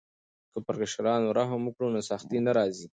که پر کشرانو رحم وکړو نو سختي نه راځي.